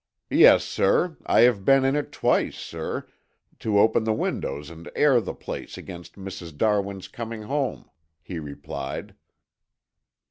"Yes, sir. I have been in twice, sir, to open the windows and air the place against Mrs. Darwin's coming home," he replied.